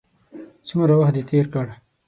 څومره وخت دې تېر کړ.